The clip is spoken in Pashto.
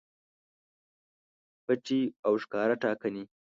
پټې او ښکاره ټاکنې